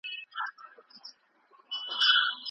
هغه د خپلو اتلانو په بریا کې د حقیقت نښې لیدلې وې.